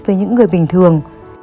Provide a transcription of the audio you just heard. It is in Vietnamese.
với những người bình thường